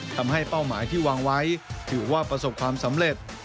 เป้าหมายที่วางไว้ถือว่าประสบความสำเร็จ